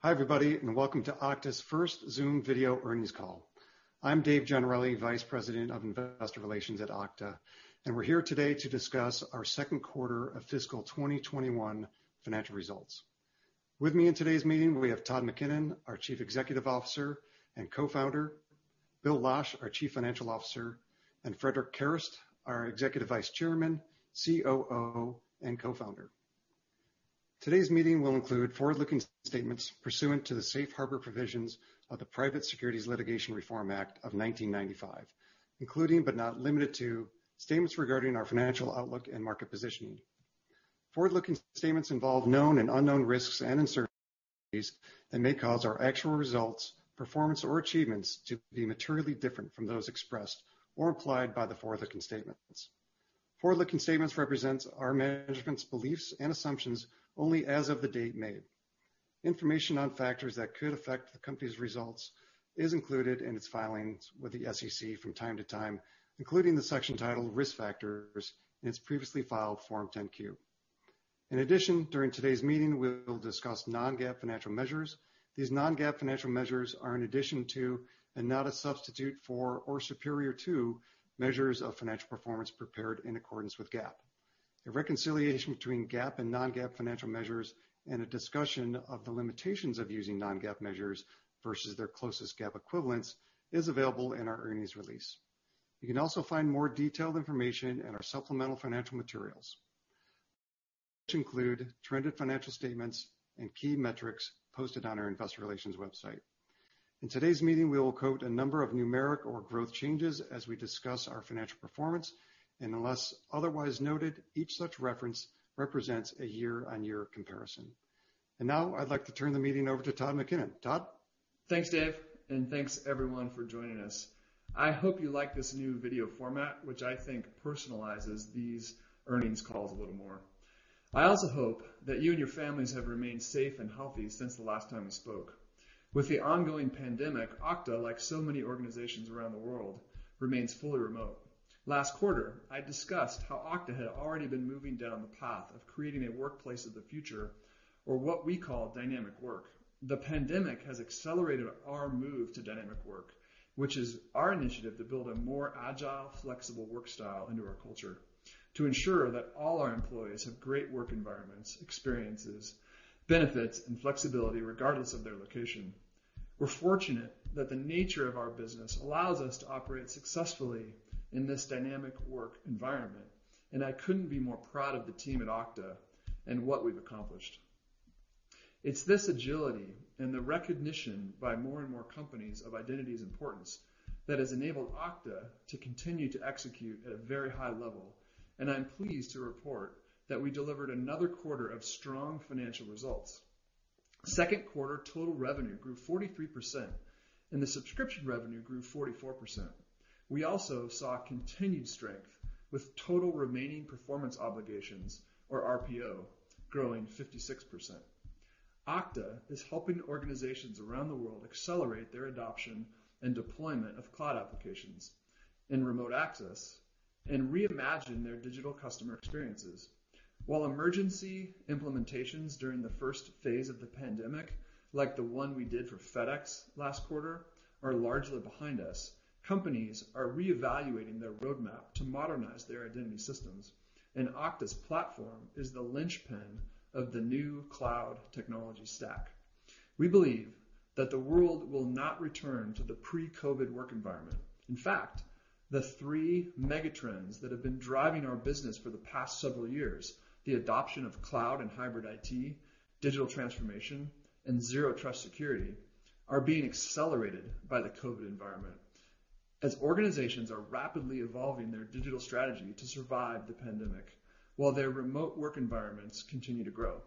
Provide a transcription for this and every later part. Hi everybody, and welcome to Okta's first Zoom video earnings call. I'm Dave Gennarelli, Vice President of Investor Relations at Okta, and we're here today to discuss our second quarter of fiscal 2021 financial results. With me in today's meeting, we have Todd McKinnon, our Chief Executive Officer and Co-Founder, Bill Losch, our Chief Financial Officer, and Frederic Kerrest, our Executive Vice Chairman, COO, and Co-founder. Today's meeting will include forward-looking statements pursuant to the safe harbor provisions of the Private Securities Litigation Reform Act of 1995, including, but not limited to, statements regarding our financial outlook and market positioning. Forward-looking statements involve known and unknown risks and uncertainties that may cause our actual results, performance, or achievements to be materially different from those expressed or implied by the forward-looking statements. Forward-looking statements represent our management's beliefs and assumptions only as of the date made. Information on factors that could affect the company's results is included in its filings with the SEC from time to time, including the section titled Risk Factors in its previously filed Form 10-Q. In addition, during today's meeting, we will discuss non-GAAP financial measures. These non-GAAP financial measures are in addition to, and not a substitute for or superior to, measures of financial performance prepared in accordance with GAAP. A reconciliation between GAAP and non-GAAP financial measures and a discussion of the limitations of using non-GAAP measures versus their closest GAAP equivalents is available in our earnings release. You can also find more detailed information in our supplemental financial materials, which include trended financial statements and key metrics posted on our investor relations website. In today's meeting, we will quote a number of numeric or growth changes as we discuss our financial performance, and unless otherwise noted, each such reference represents a year-on-year comparison. Now I'd like to turn the meeting over to Todd McKinnon. Todd? Thanks, Dave, and thanks everyone for joining us. I hope you like this new video format, which I think personalizes these earnings calls a little more. I also hope that you and your families have remained safe and healthy since the last time we spoke. With the ongoing pandemic, Okta, like so many organizations around the world, remains fully remote. Last quarter, I discussed how Okta had already been moving down the path of creating a workplace of the future, or what we call dynamic work. The pandemic has accelerated our move to dynamic work, which is our initiative to build a more agile, flexible work style into our culture to ensure that all our employees have great work environments, experiences, benefits, and flexibility regardless of their location. We're fortunate that the nature of our business allows us to operate successfully in this dynamic work environment, and I couldn't be more proud of the team at Okta and what we've accomplished. It's this agility and the recognition by more and more companies of identity's importance that has enabled Okta to continue to execute at a very high level, and I'm pleased to report that we delivered another quarter of strong financial results. Second quarter total revenue grew 43%, and the subscription revenue grew 44%. We also saw continued strength with total remaining performance obligations, or RPO, growing 56%. Okta is helping organizations around the world accelerate their adoption and deployment of cloud applications and remote access and reimagine their digital customer experiences. While emergency implementations during the phase I of the pandemic, like the one we did for FedEx last quarter, are largely behind us, companies are reevaluating their roadmap to modernize their identity systems, and Okta's platform is the linchpin of the new cloud technology stack. We believe that the world will not return to the pre-COVID work environment. In fact, the three megatrends that have been driving our business for the past several years, the adoption of cloud and hybrid IT, digital transformation, and zero trust security, are being accelerated by the COVID environment as organizations are rapidly evolving their digital strategy to survive the pandemic while their remote work environments continue to grow.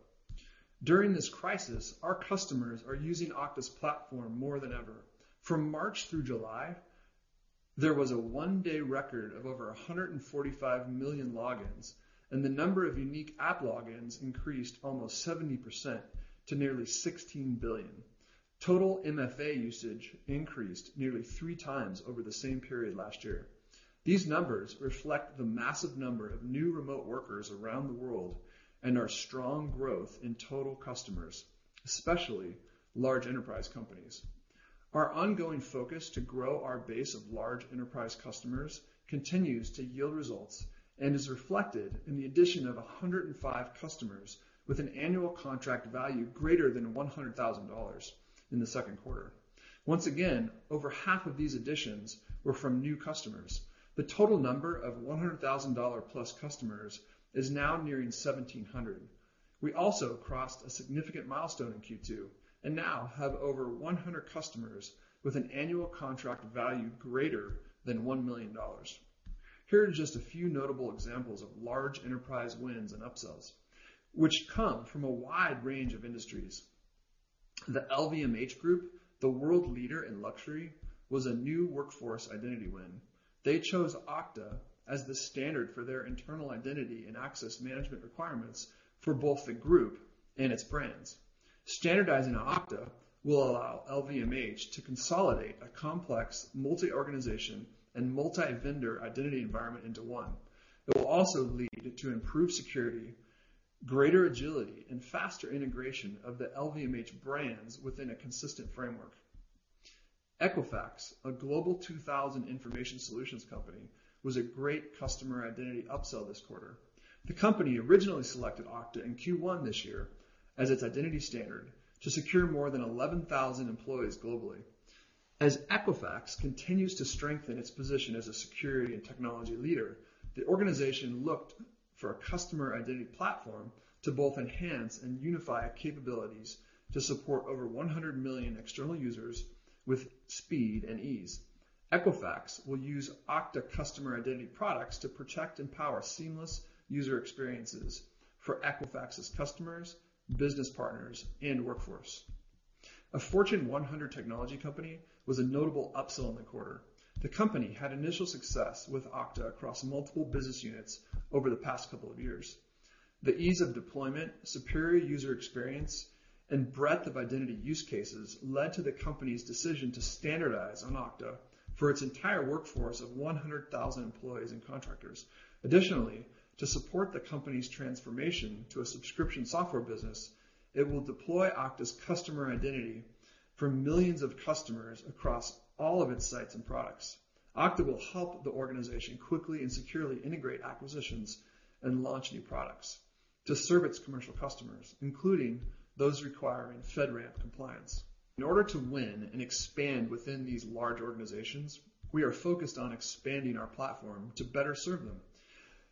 During this crisis, our customers are using Okta's platform more than ever. From March through July, there was a one-day record of over 145 million logins, and the number of unique app logins increased 70% to nearly 16 billion. Total MFA usage increased nearly three times over the same period last year. These numbers reflect the massive number of new remote workers around the world and our strong growth in total customers, especially large enterprise companies. Our ongoing focus to grow our base of large enterprise customers continues to yield results and is reflected in the addition of 105 customers with an annual contract value greater than $100,000 in the second quarter. Once again, over half of these additions were from new customers. The total number of $100,000-plus customers is now nearing 1,700. We also crossed a significant milestone in Q2 and now have over 100 customers with an annual contract value greater than $1 million. Here are just a few notable examples of large enterprise wins and upsells, which come from a wide range of industries. The LVMH group, the world leader in luxury, was a new workforce identity win. They chose Okta as the standard for their internal identity and access management requirements for both the group and its brands. Standardizing Okta will allow LVMH to consolidate a complex multi-organization and multi-vendor identity environment into one. It will also lead to improved security, greater agility, and faster integration of the LVMH brands within a consistent framework. Equifax, a Global 2000 information solutions company, was a great customer identity upsell this quarter. The company originally selected Okta in Q1 this year as its identity standard to secure more than 11,000 employees globally. As Equifax continues to strengthen its position as a security and technology leader, the organization looked for a customer identity platform to both enhance and unify capabilities to support over 100 million external users with speed and ease. Equifax will use Okta customer identity products to protect and power seamless user experiences for Equifax's customers, business partners, and workforce. A Fortune 100 technology company was a notable upsell in the quarter. The company had initial success with Okta across multiple business units over the past couple of years. The ease of deployment, superior user experience, and breadth of identity use cases led to the company's decision to standardize on Okta for its entire workforce of 100,000 employees and contractors. Additionally, to support the company's transformation to a subscription software business, it will deploy Okta's customer identity for millions of customers across all of its sites and products. Okta will help the organization quickly and securely integrate acquisitions and launch new products to serve its commercial customers, including those requiring FedRAMP compliance. In order to win and expand within these large organizations, we are focused on expanding our platform to better serve them.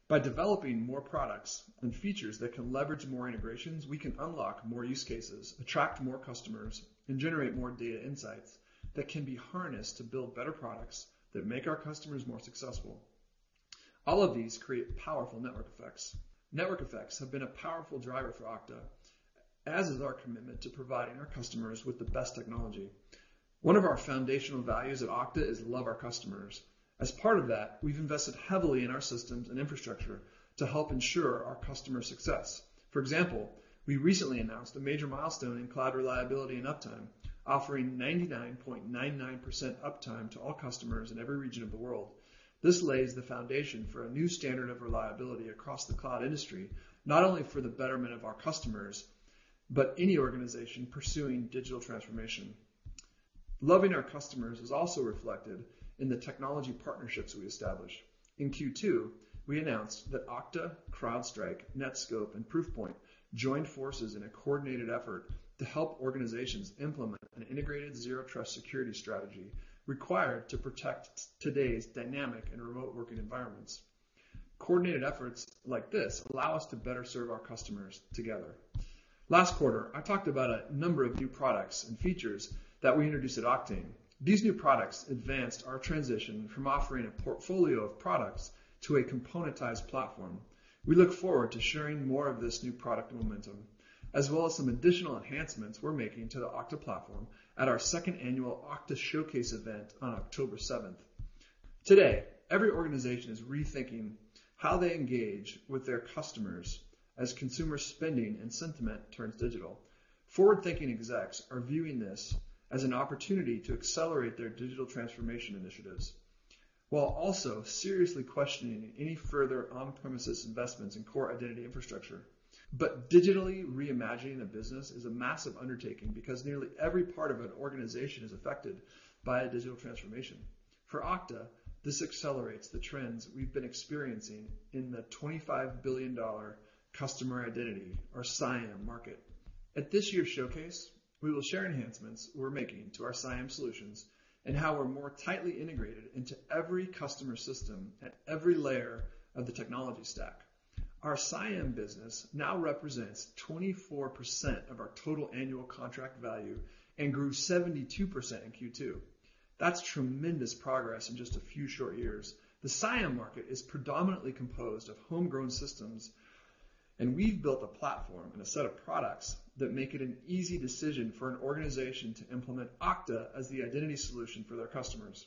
By developing more products and features that can leverage more integrations, we can unlock more use cases, attract more customers, and generate more data insights that can be harnessed to build better products that make our customers more successful. All of these create powerful network effects. Network effects have been a powerful driver for Okta, as is our commitment to providing our customers with the best technology. One of our foundational values at Okta is love our customers. As part of that, we've invested heavily in our systems and infrastructure to help ensure our customers' success. For example, we recently announced a major milestone in cloud reliability and uptime, offering 99.99% uptime to all customers in every region of the world. This lays the foundation for a new standard of reliability across the cloud industry, not only for the betterment of our customers, but any organization pursuing digital transformation. Loving our customers is also reflected in the technology partnerships we establish. In Q2, we announced that Okta, CrowdStrike, Netskope, and Proofpoint joined forces in a coordinated effort to help organizations implement an integrated zero trust security strategy required to protect today's dynamic and remote working environments. Coordinated efforts like this allow us to better serve our customers together. Last quarter, I talked about a number of new products and features that we introduced at Oktane. These new products advanced our transition from offering a portfolio of products to a componentized platform. We look forward to sharing more of this new product momentum, as well as some additional enhancements we're making to the Okta platform at our second annual Okta Showcase event on October 7th. Today, every organization is rethinking how they engage with their customers as consumer spending and sentiment turns digital. Forward-thinking execs are viewing this as an opportunity to accelerate their digital transformation initiatives, while also seriously questioning any further on-premises investments in core identity infrastructure. Digitally reimagining a business is a massive undertaking because nearly every part of an organization is affected by a digital transformation. For Okta, this accelerates the trends we've been experiencing in the $25 billion customer identity, or CIAM market. At this year's Okta Showcase, we will share enhancements we're making to our CIAM solutions and how we're more tightly integrated into every customer system at every layer of the technology stack. Our CIAM business now represents 24% of our total annual contract value and grew 72% in Q2. That's tremendous progress in just a few short years. The CIAM market is predominantly composed of homegrown systems, and we've built a platform and a set of products that make it an easy decision for an organization to implement Okta as the identity solution for their customers.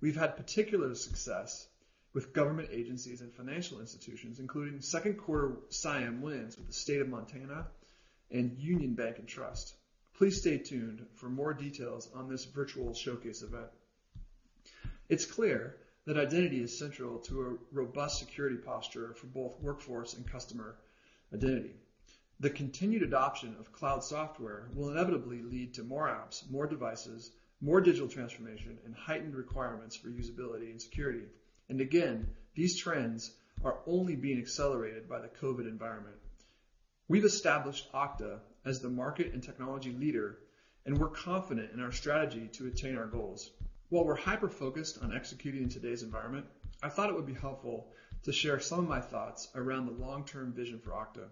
We've had particular success with government agencies and financial institutions, including second quarter CIAM wins with the State of Montana and Union Bank & Trust. Please stay tuned for more details on this virtual showcase event. It's clear that identity is central to a robust security posture for both workforce and customer identity. The continued adoption of cloud software will inevitably lead to more apps, more devices, more digital transformation, and heightened requirements for usability and security. Again, these trends are only being accelerated by the COVID environment. We've established Okta as the market and technology leader, and we're confident in our strategy to attain our goals. While we're hyper-focused on executing in today's environment, I thought it would be helpful to share some of my thoughts around the long-term vision for Okta.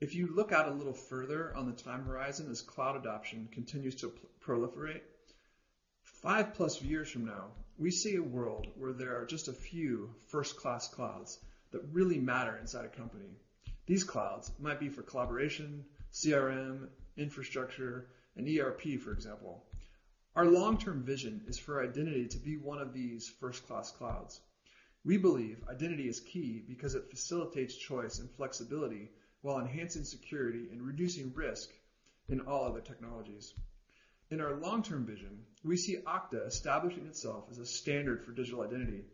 If you look out a little further on the time horizon as cloud adoption continues to proliferate, 5+ years from now, we see a world where there are just a few first-class clouds that really matter inside a company. These clouds might be for collaboration, CRM, infrastructure, and ERP, for example. Our long-term vision is for identity to be one of these first-class clouds. We believe identity is key because it facilitates choice and flexibility while enhancing security and reducing risk in all other technologies. In our long-term vision, we see Okta establishing itself as a standard for digital identity.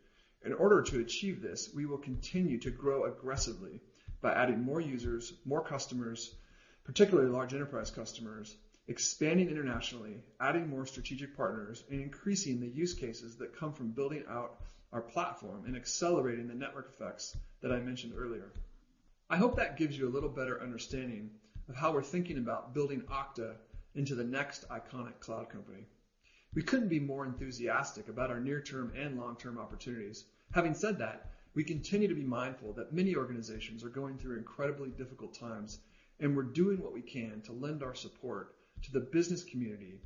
In order to achieve this, we will continue to grow aggressively by adding more users, more customers, particularly large enterprise customers, expanding internationally, adding more strategic partners, and increasing the use cases that come from building out our platform and accelerating the network effects that I mentioned earlier. I hope that gives you a little better understanding of how we're thinking about building Okta into the next iconic cloud company. We couldn't be more enthusiastic about our near-term and long-term opportunities. Having said that, we continue to be mindful that many organizations are going through incredibly difficult times, and we're doing what we can to lend our support to the business community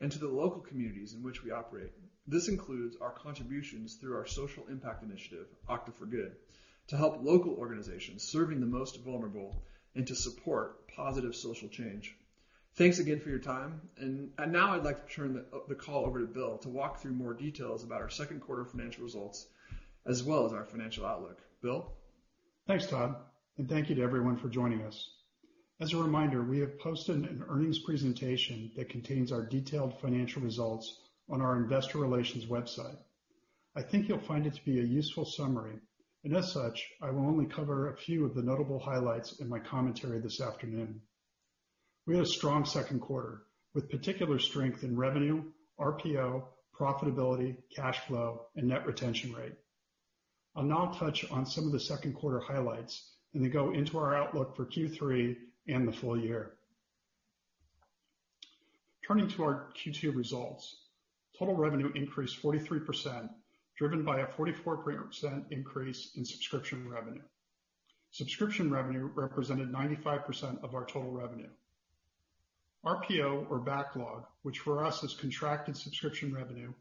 and to the local communities in which we operate. This includes our contributions through our social impact initiative, Okta for Good, to help local organizations serving the most vulnerable and to support positive social change. Thanks again for your time. Now I'd like to turn the call over to Bill to walk through more details about our second quarter financial results as well as our financial outlook. Bill? Thanks, Todd. Thank you to everyone for joining us. As a reminder, we have posted an earnings presentation that contains our detailed financial results on our investor relations website. I think you'll find it to be a useful summary, and as such, I will only cover a few of the notable highlights in my commentary this afternoon. We had a strong second quarter with particular strength in revenue, RPO, profitability, cash flow, and net retention rate. I'll now touch on some of the second quarter highlights, and then go into our outlook for Q3 and the full year. Turning to our Q2 results, total revenue increased 43%, driven by a 44% increase in subscription revenue. Subscription revenue represented 95% of our total revenue. RPO or backlog, which for us is contracted subscription revenue,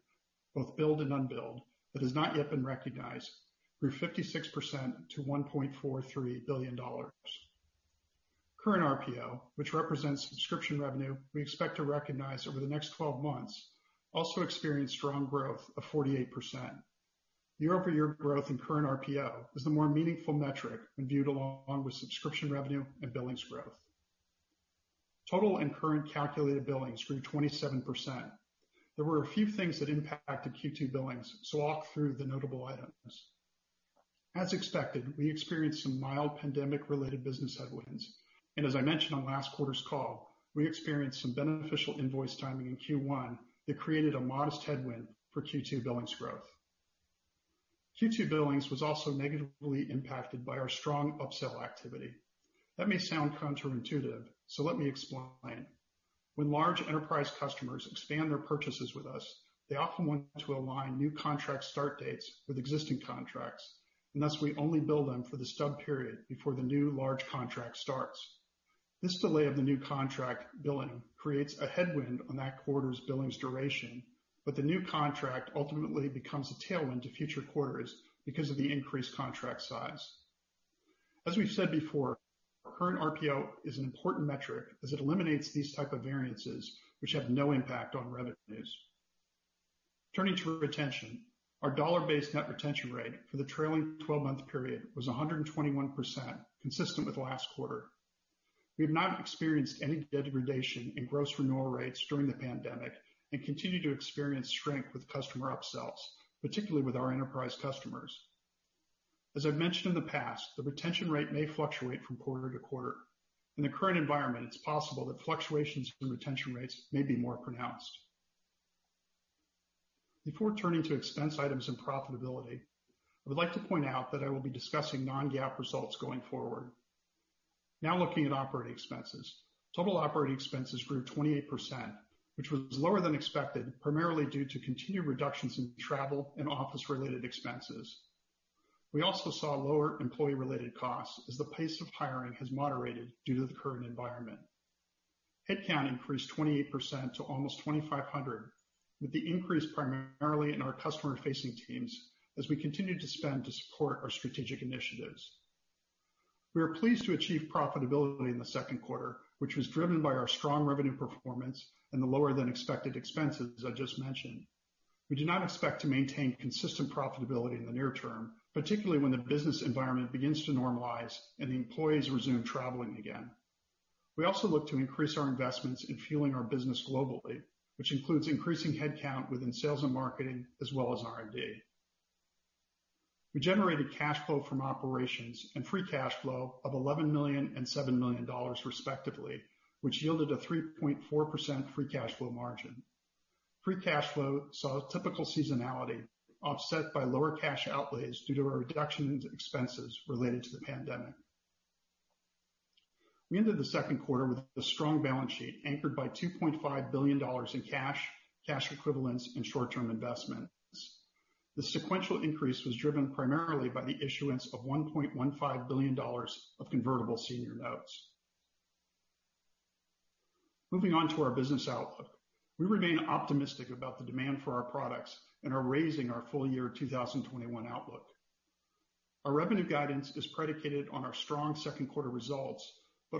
both billed and unbilled, that has not yet been recognized, grew 56% to $1.43 billion. Current RPO, which represents subscription revenue we expect to recognize over the next 12 months also experienced strong growth of 48%. Year-over-year growth in Current RPO is the more meaningful metric when viewed along with subscription revenue and billings growth. Total and current calculated billings grew 27%. There were a few things that impacted Q2 billings, so I'll walk through the notable items. As expected, we experienced some mild pandemic related business headwinds, and as I mentioned on last quarter's call, we experienced some beneficial invoice timing in Q1 that created a modest headwind for Q2 billings growth. Q2 billings was also negatively impacted by our strong upsell activity. That may sound counterintuitive, so let me explain. When large enterprise customers expand their purchases with us, they often want to align new contract start dates with existing contracts, and thus we only bill them for the stub period before the new large contract starts. This delay of the new contract billing creates a headwind on that quarter's billings duration, but the new contract ultimately becomes a tailwind to future quarters because of the increased contract size. As we've said before, current RPO is an important metric as it eliminates these type of variances, which have no impact on revenues. Turning to retention, our dollar-based net retention rate for the trailing 12-month period was 121%, consistent with last quarter. We have not experienced any degradation in gross renewal rates during the pandemic and continue to experience strength with customer upsells, particularly with our enterprise customers. As I've mentioned in the past, the retention rate may fluctuate from quarter to quarter. In the current environment, it's possible that fluctuations in retention rates may be more pronounced. Before turning to expense items and profitability, I would like to point out that I will be discussing non-GAAP results going forward. Now looking at operating expenses. Total operating expenses grew 28%, which was lower than expected, primarily due to continued reductions in travel and office related expenses. We also saw lower employee related costs as the pace of hiring has moderated due to the current environment. Headcount increased 28% to almost 2,500, with the increase primarily in our customer facing teams as we continued to spend to support our strategic initiatives. We are pleased to achieve profitability in the second quarter, which was driven by our strong revenue performance and the lower than expected expenses I just mentioned. We do not expect to maintain consistent profitability in the near term, particularly when the business environment begins to normalize and the employees resume traveling again. We also look to increase our investments in fueling our business globally, which includes increasing headcount within sales and marketing, as well as R&D. We generated cash flow from operations and free cash flow of $11 million and $7 million, respectively, which yielded a 3.4% free cash flow margin. Free cash flow saw typical seasonality offset by lower cash outlays due to a reduction in expenses related to the pandemic. We ended the second quarter with a strong balance sheet anchored by $2.5 billion in cash equivalents, and short-term investments. The sequential increase was driven primarily by the issuance of $1.15 billion of convertible senior notes. Moving on to our business outlook. We remain optimistic about the demand for our products and are raising our full year 2021 outlook.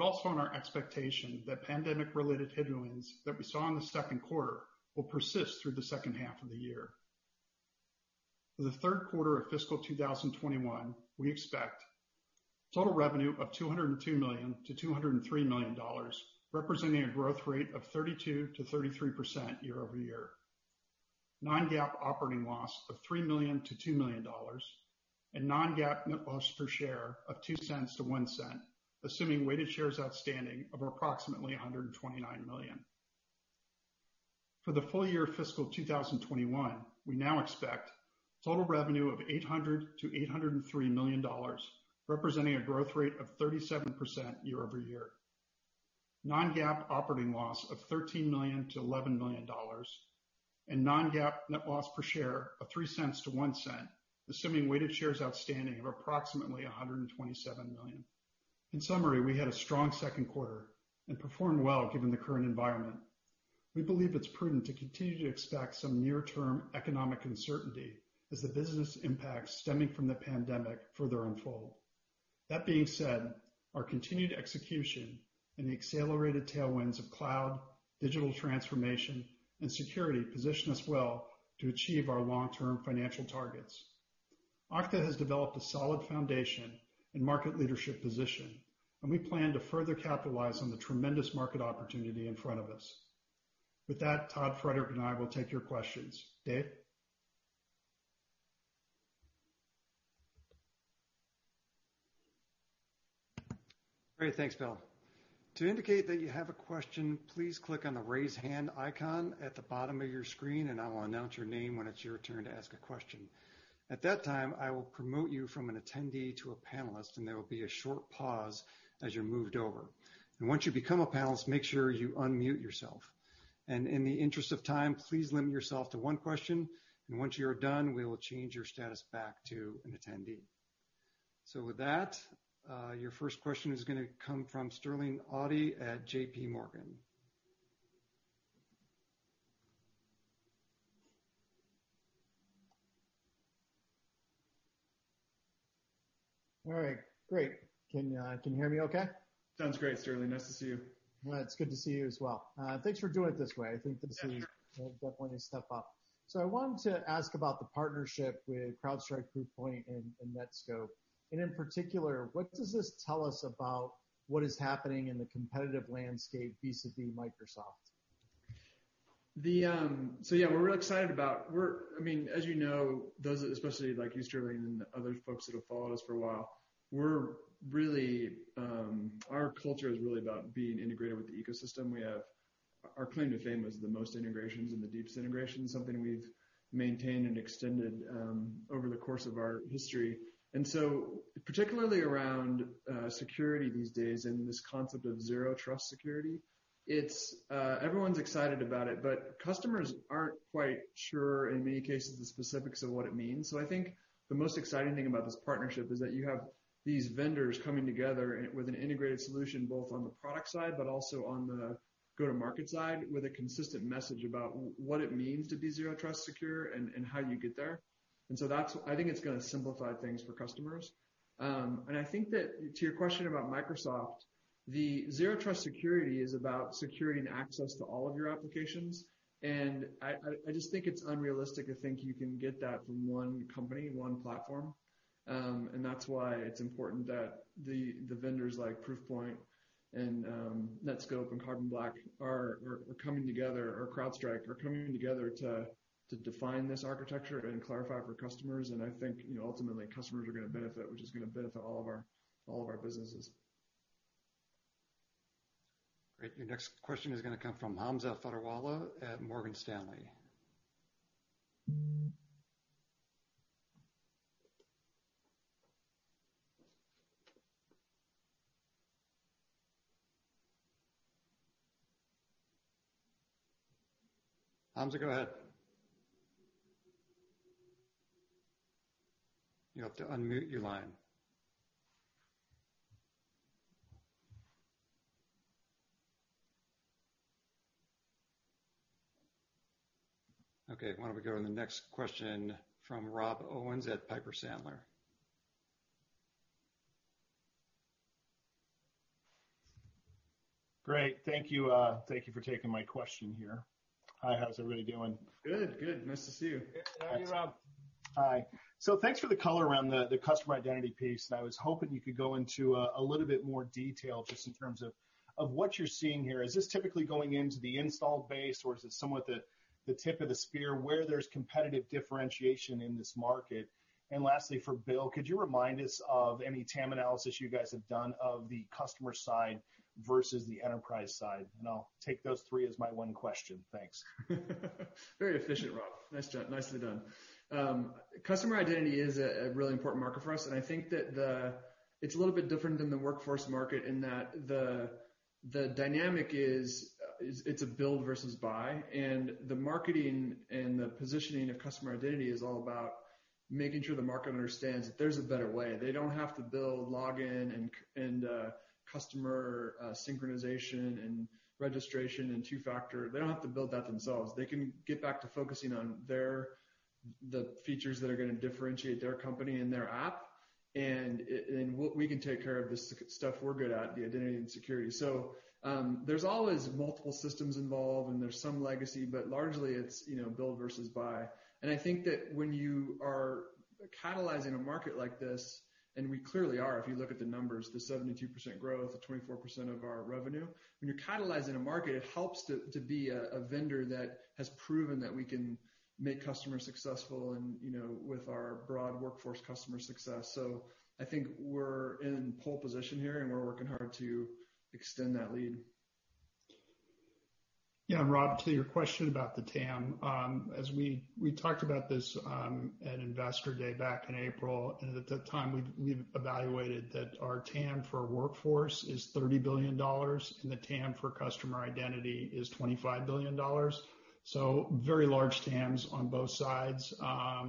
Also on our expectation that pandemic-related headwinds that we saw in the second quarter will persist through the second half of the year, our revenue guidance is predicated on our strong second quarter results. For the third quarter of fiscal 2021, we expect total revenue of $202 million-$203 million, representing a growth rate of 32%-33% year-over-year. Non-GAAP operating loss of $3 million-$2 million and non-GAAP net loss per share of $0.02-$0.01, assuming weighted shares outstanding of approximately 129 million. For the full year fiscal 2021, we now expect total revenue of $800 million-$803 million, representing a growth rate of 37% year-over-year. Non-GAAP operating loss of $13 million to $11 million, and non-GAAP net loss per share of $0.03 to $0.01, assuming weighted shares outstanding of approximately 127 million. In summary, we had a strong second quarter and performed well given the current environment. We believe it's prudent to continue to expect some near-term economic uncertainty as the business impacts stemming from the pandemic further unfold. That being said, our continued execution and the accelerated tailwinds of cloud, digital transformation, and security position us well to achieve our long-term financial targets. Okta has developed a solid foundation and market leadership position, and we plan to further capitalize on the tremendous market opportunity in front of us. With that, Todd, Frederic, and I will take your questions. Dave? Great. Thanks, Bill. To indicate that you have a question, please click on the raise hand icon at the bottom of your screen, and I will announce your name when it's your turn to ask a question. At that time, I will promote you from an attendee to a panelist, and there will be a short pause as you're moved over. Once you become a panelist, make sure you unmute yourself. In the interest of time, please limit yourself to one question, and once you are done, we will change your status back to an attendee. With that, your first question is going to come from Sterling Auty at JPMorgan. All right. Great. Can you hear me okay? Sounds great, Sterling. Nice to see you. Well, it's good to see you as well. Thanks for doing it this way. I think the decision will definitely step up. I wanted to ask about the partnership with CrowdStrike, Proofpoint, and Netskope. In particular, what does this tell us about what is happening in the competitive landscape vis-a-vis Microsoft? Yeah, we're real excited about As you know, those, especially like you, Sterling, and the other folks that have followed us for a while, our culture is really about being integrated with the ecosystem. Our claim to fame was the most integrations and the deepest integrations, something we've maintained and extended over the course of our history. Particularly around security these days and this concept of zero trust security, everyone's excited about it, but customers aren't quite sure, in many cases, the specifics of what it means. I think the most exciting thing about this partnership is that you have these vendors coming together with an integrated solution, both on the product side, but also on the go-to-market side, with a consistent message about what it means to be zero trust secure and how you get there. I think it's going to simplify things for customers. I think that to your question about Microsoft, the zero trust security is about securing access to all of your applications. I just think it's unrealistic to think you can get that from one company, one platform. That's why it's important that the vendors like Proofpoint and Netskope and Carbon Black are coming together, or CrowdStrike, are coming together to define this architecture and clarify for customers. I think ultimately customers are going to benefit, which is going to benefit all of our businesses. Great. Your next question is going to come from Hamza Fodderwala at Morgan Stanley. Hamza, go ahead. Why don't we go to the next question from Rob Owens at Piper Sandler. Great. Thank you for taking my question here. Hi, how's everybody doing? Good. Nice to see you. Hey, how are you, Rob? Hi. Thanks for the color around the customer identity piece. I was hoping you could go into a little bit more detail just in terms of what you're seeing here. Is this typically going into the installed base, or is it somewhat the tip of the spear where there's competitive differentiation in this market? Lastly, for Bill, could you remind us of any TAM analysis you guys have done of the customer side versus the enterprise side? I'll take those three as my one question. Thanks. Very efficient, Rob. Nicely done. Customer identity is a really important market for us, and I think that it's a little bit different than the workforce market in that the dynamic is, it's a build versus buy, and the marketing and the positioning of customer identity is all about making sure the market understands that there's a better way. They don't have to build login and customer synchronization and registration and two-factor. They don't have to build that themselves. They can get back to focusing on the features that are going to differentiate their company and their app. Then we can take care of the stuff we're good at, the identity and security. There's always multiple systems involved, and there's some legacy, but largely it's build versus buy. I think that when you are catalyzing a market like this, and we clearly are, if you look at the numbers, the 72% growth, the 24% of our revenue. When you're catalyzing a market, it helps to be a vendor that has proven that we can make customers successful and with our broad workforce customer success. I think we're in pole position here, and we're working hard to extend that lead. Yeah. Rob, to your question about the TAM, as we talked about this at Investor Day back in April. At that time, we've evaluated that our TAM for workforce is $30 billion, and the TAM for customer identity is $25 billion. Very large TAMs on both sides. For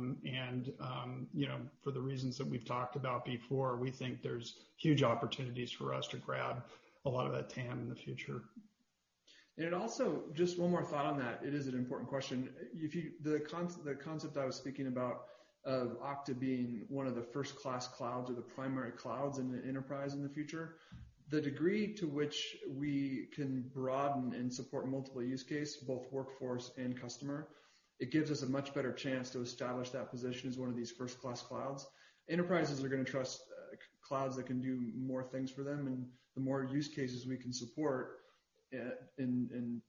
the reasons that we've talked about before, we think there's huge opportunities for us to grab a lot of that TAM in the future. Also, just one more thought on that, it is an important question. The concept I was thinking about of Okta being one of the first-class clouds or the primary clouds in the enterprise in the future, the degree to which we can broaden and support multiple use case, both workforce and customer, it gives us a much better chance to establish that position as one of these first-class clouds. Enterprises are going to trust clouds that can do more things for them, and the more use cases we can support and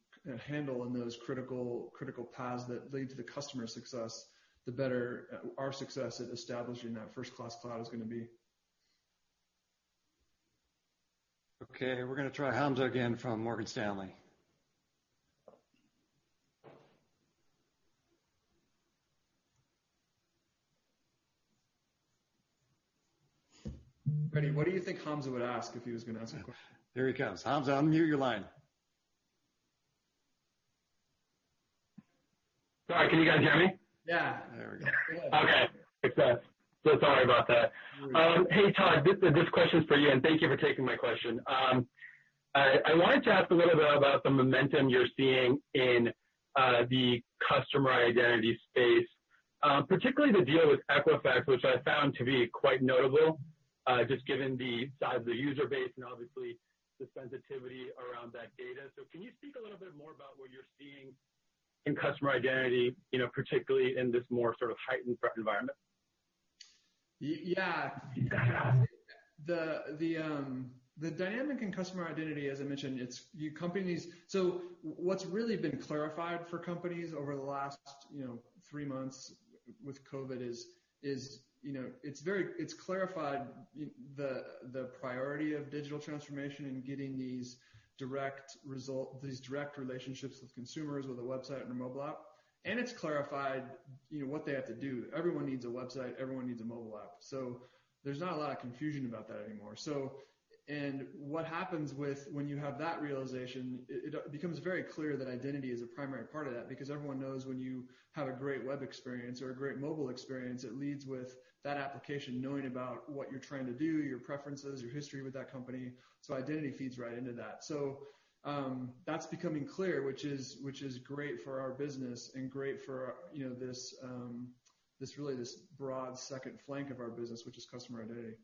handle in those critical paths that lead to the customer success, the better our success at establishing that first-class cloud is going to be. Okay, we're going to try Hamza again from Morgan Stanley. Frederic, what do you think Hamza would ask if he was going to ask a question? There he comes. Hamza, unmute your line. Sorry, can you guys hear me? Yeah There we go. Okay. Success. Sorry about that. Hey, Todd, this question is for you, and thank you for taking my question. I wanted to ask a little bit about the momentum you're seeing in the customer identity space, particularly the deal with Equifax, which I found to be quite notable, just given the size of the user base and obviously the sensitivity around that data. Can you speak a little bit more about what you're seeing in customer identity, particularly in this more sort of heightened threat environment? Yeah. The dynamic in customer identity, as I mentioned, what's really been clarified for companies over the last three months with COVID is it's clarified the priority of digital transformation and getting these direct relationships with consumers with a website and a mobile app. It's clarified what they have to do. Everyone needs a website. Everyone needs a mobile app. There's not a lot of confusion about that anymore. What happens when you have that realization, it becomes very clear that identity is a primary part of that because everyone knows when you have a great web experience or a great mobile experience, it leads with that application knowing about what you're trying to do, your preferences, your history with that company. Identity feeds right into that. That's becoming clear, which is great for our business and great for really this broad second flank of our business, which is customer identity.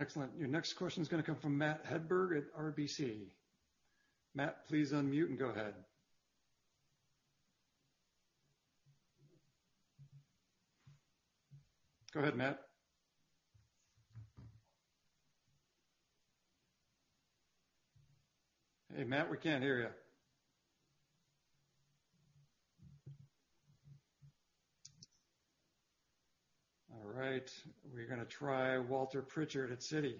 Excellent. Your next question is going to come from Matt Hedberg at RBC. Matt, please unmute and go ahead. Go ahead, Matt. Hey, Matt, we can't hear you. All right. We're going to try Walter Pritchard at Citi.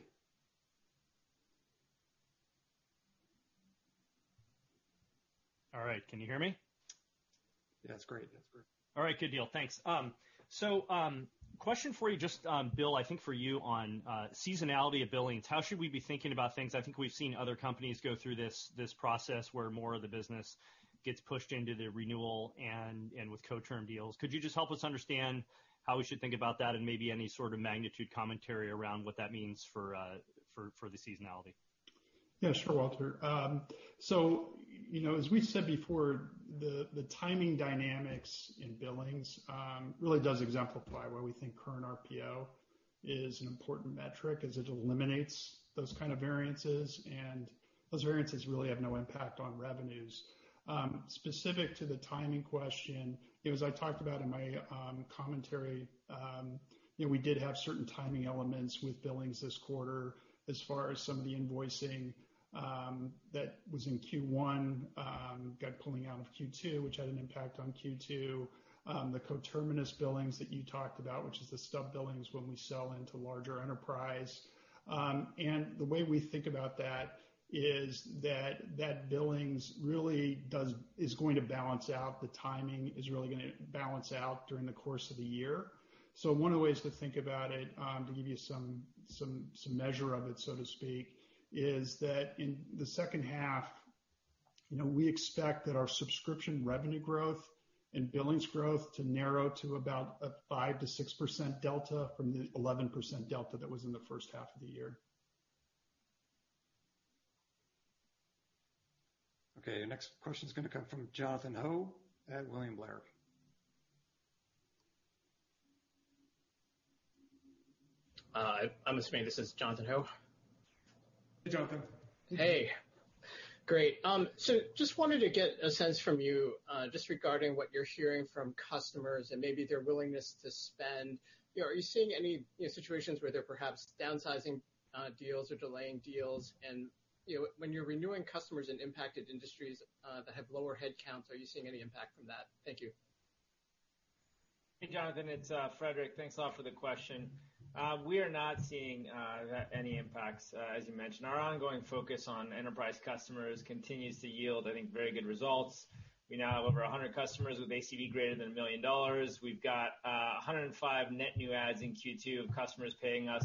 All right. Can you hear me? Yeah, that's great. That's great. All right. Good deal. Thanks. Question for you, Bill, I think for you on seasonality of billings. How should we be thinking about things? I think we've seen other companies go through this process where more of the business gets pushed into the renewal and with co-term deals. Could you just help us understand how we should think about that and maybe any sort of magnitude commentary around what that means for the seasonality? Yeah, sure, Walter. As we said before, the timing dynamics in billings really does exemplify why we think Current RPO is an important metric as it eliminates those kind of variances, and those variances really have no impact on revenues. Specific to the timing question, as I talked about in my commentary, we did have certain timing elements with billings this quarter as far as some of the invoicing that was in Q1 got pulling out of Q2, which had an impact on Q2. The co-terminus billings that you talked about, which is the stub billings when we sell into larger enterprise. The way we think about that is that billings really is going to balance out. The timing is really going to balance out during the course of the year. One of the ways to think about it, to give you some measure of it, so to speak, is that in the second half, we expect that our subscription revenue growth and billings growth to narrow to about a 5%-6% delta from the 11% delta that was in the first half of the year. The next question's going to come from Jonathan Ho at William Blair. I'm assuming this is Jonathan Ho. Hey, Jonathan. Hey. Great, just wanted to get a sense from you, just regarding what you're hearing from customers and maybe their willingness to spend. Are you seeing any situations where they're perhaps downsizing deals or delaying deals? When you're renewing customers in impacted industries that have lower headcounts, are you seeing any impact from that? Thank you. Hey, Jonathan. It's Frederic. Thanks a lot for the question. We are not seeing any impacts, as you mentioned. Our ongoing focus on enterprise customers continues to yield, I think, very good results. We now have over 100 customers with ACV greater than $1 million. We've got 105 net new adds in Q2 of customers paying us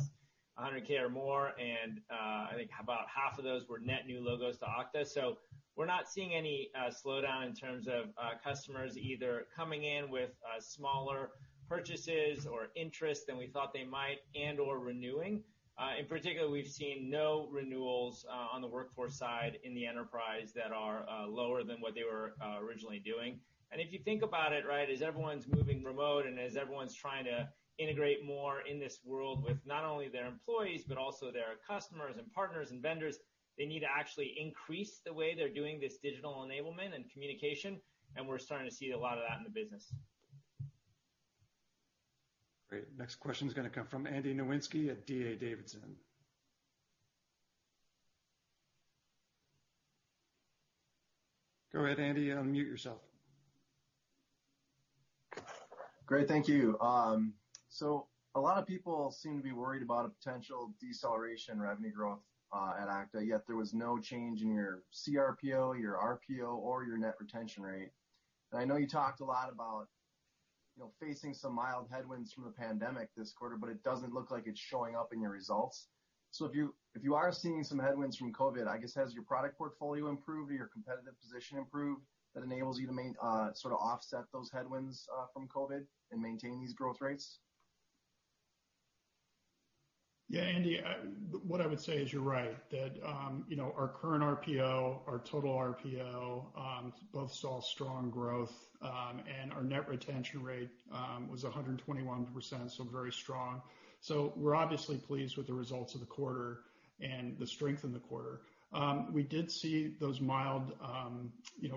$100,000 or more, and I think about half of those were net new logos to Okta. We're not seeing any slowdown in terms of customers either coming in with smaller purchases or interest than we thought they might and/or renewing. In particular, we've seen no renewals on the workforce side in the enterprise that are lower than what they were originally doing. If you think about it, right, as everyone's moving remote and as everyone's trying to integrate more in this world with not only their employees but also their customers and partners and vendors, they need to actually increase the way they're doing this digital enablement and communication. We're starting to see a lot of that in the business. Great. Next question is going to come from Andy Nowinski at D.A. Davidson. Go ahead, Andy, unmute yourself. Great. Thank you. A lot of people seem to be worried about a potential deceleration in revenue growth at Okta, yet there was no change in your CRPO, your RPO, or your net retention rate. I know you talked a lot about facing some mild headwinds from the pandemic this quarter, but it doesn't look like it's showing up in your results. If you are seeing some headwinds from COVID, I guess, has your product portfolio improved or your competitive position improved that enables you to sort of offset those headwinds from COVID and maintain these growth rates? Yeah, Andy, what I would say is you're right, that our Current RPO, our total RPO, both saw strong growth. Our net retention rate was 121%, so very strong. We're obviously pleased with the results of the quarter and the strength in the quarter. We did see those mild